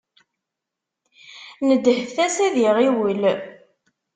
Nedhet-as ad iɣiwel.